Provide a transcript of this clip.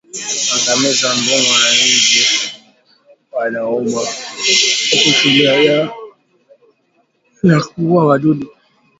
Angamiza mbung'o na nzi wanaouma kwa kutumia dawa za kuua wadudu